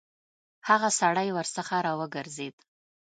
هغه سړی ورڅخه راوګرځېد.